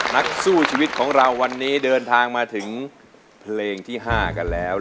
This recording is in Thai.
นักสู้ชีวิตของเราวันนี้เดินทางมาถึงเพลงที่๕กันแล้ว